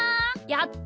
やった！